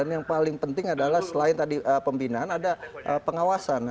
yang paling penting adalah selain tadi pembinaan ada pengawasan